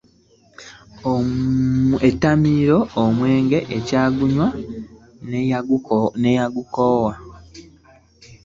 Ettamiiro , omwenge ,ekyagunya n'eyagukoowa .